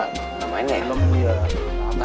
namain ga ya